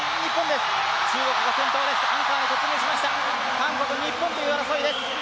韓国、日本という争いです。